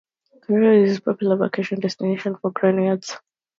Carriacou is a popular vacation destination for Grenadians.